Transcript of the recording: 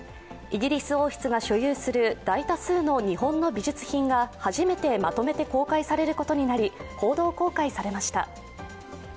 イギリス王室が所有する大多数の日本の美術品が初めてまとめて公開されることになり、報道公開されました。